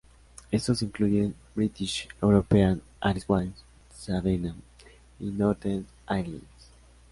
Estos incluyen British European Airways, Sabena y Northeast Airlines.